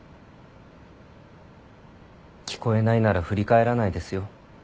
聞こえないなら振り返らないですよ。